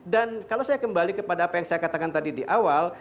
dan kalau saya kembali kepada apa yang saya katakan tadi di awal